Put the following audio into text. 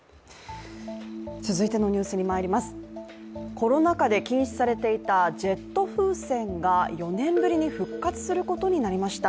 コロナ禍で禁止されていたジェット風船が４年ぶりに復活することになりました。